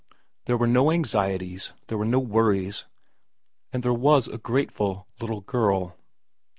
There were no anxieties, there were no worries, and there was a grateful little girl.